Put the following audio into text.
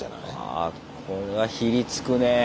あこれはヒリつくねぇ。